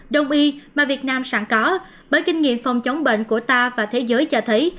đông y mà việt nam sẵn có bởi kinh nghiệm phòng chống bệnh của ta và thế giới cho thấy